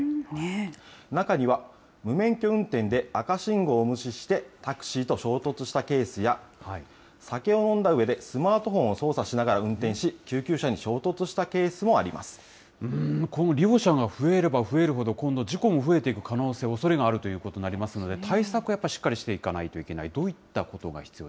中には無免許運転で赤信号を無視して、タクシーと衝突したケースや、酒を飲んだうえで、スマートフォンを操作しながら運転し、救急車に衝突したケースもこの利用者が増えれば増えるほど、今度事故も増えていくおそれがあるということになりますので、対策はやっぱりしっかりしていかないといけない。